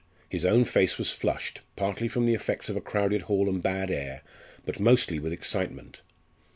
His own face was flushed, partly from the effects of a crowded hall and bad air, but mostly with excitement.